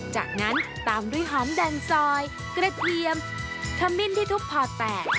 จากนั้นตามด้วยหอมแดงซอยกระเทียมขมิ้นที่ทุบผ่าแตก